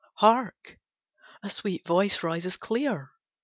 Hark, a sweet voice rises clear!